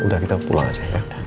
udah kita pulang aja ya